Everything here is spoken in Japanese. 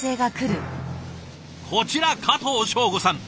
こちら加藤彰悟さん。